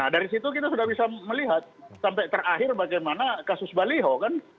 dari situ kita sudah bisa melihat sampai terakhir bagaimana kasus baliho kan